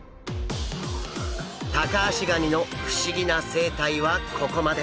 タカアシガニの不思議な生態はここまで。